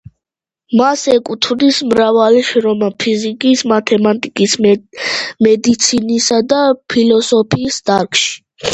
მას ეკუთვნის მრავალი შრომა ფიზიკის, მათემატიკის, მედიცინისა და ფილოსოფიის დარგში.